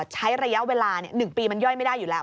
ใช้ระยะเวลา๑ปีมันย่อยไม่ได้อยู่แล้ว